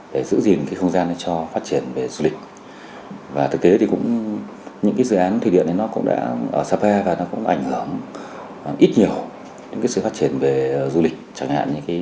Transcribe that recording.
để giữ gìn không gian để tránh khỏi những tác động